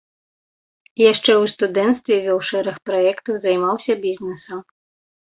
Яшчэ ў студэнцтве вёў шэраг праектаў, займаўся бізнесам.